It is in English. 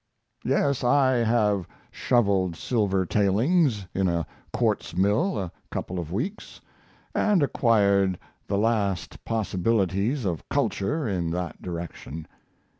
Yes, and I have shoveled silver tailings in a quartz mill a couple of weeks, and acquired the last possibilities of culture in that direction.